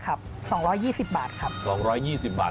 ครับ๒๒๐บาทครับ